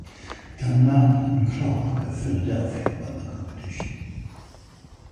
Dunlap and Clarke of Philadelphia won the competition.